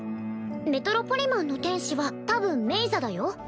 メトロポリマンの天使は多分メイザだよ